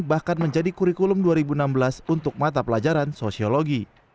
bahkan menjadi kurikulum dua ribu enam belas untuk mata pelajaran sosiologi